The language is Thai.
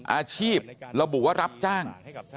อาชีพระบุว่ารับจ้าง